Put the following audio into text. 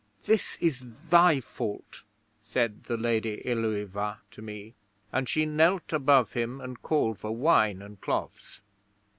'"This is thy fault," said the Lady Ælueva to me, and she kneeled above him and called for wine and cloths.